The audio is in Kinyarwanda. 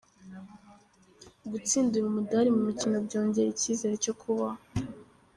Gutsindira umudari mu mikino byongera icyizere cyo kubaho